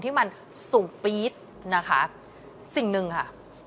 ที่มันสูงปี๊ดนะคะสิ่งหนึ่งค่ะ